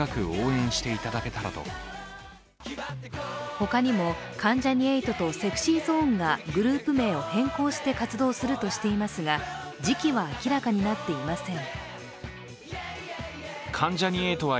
ほかにも、関ジャニ∞とＳｅｘｙＺｏｎｅがグループ名を変更して活動するとしていますが時期は明らかになっていません。